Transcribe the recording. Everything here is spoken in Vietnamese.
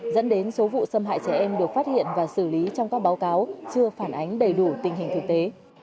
dẫn đến số vụ xâm hại trẻ em được phát hiện và xử lý trong các báo cáo chưa phản ánh đầy đủ tình hình thực tế